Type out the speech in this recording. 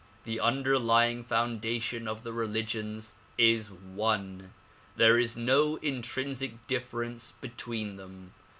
The underlying foundation of the religions is one; there is no intrinsic difference between them.